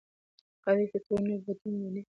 قوي فکر بدلون مني